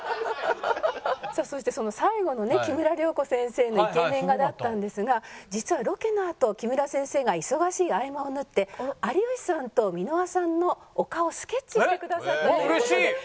さあそしてその最後のね木村了子先生のイケメン画だったんですが実はロケのあと木村先生が忙しい合間を縫って有吉さんと箕輪さんのお顔をスケッチしてくださったという事で。